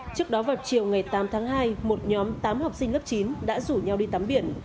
trước đó vào chiều ngày tám tháng hai một nhóm tám học sinh lớp chín đã rủ nhau đi tắm biển